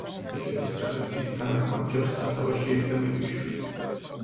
ინკების ტრადიციის თანახმად, ჯარს სათავეში ედგა მეფის შვილი.